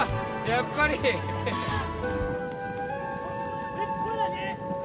やっぱりねっこれだね！